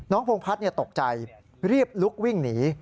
พงพัฒน์ตกใจรีบลุกวิ่งหนี